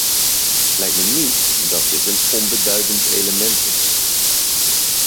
Het lijkt me niet dat dit een onbeduidend element is.